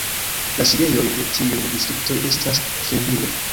La sidejoj de tiuj distriktoj estas Treviro.